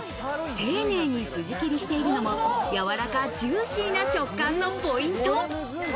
丁寧にスジ切りしているのもやわらかジューシーな食感のポイント。